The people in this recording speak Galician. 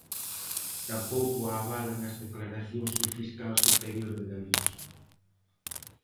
Tampouco a avalan as declaracións do fiscal superior de Galicia.